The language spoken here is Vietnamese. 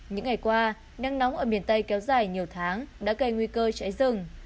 những ngày qua nắng nóng ở miền tây kéo dài nhiều tháng đã gây nguy cơ cháy rừng